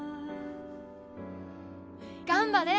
頑張れ！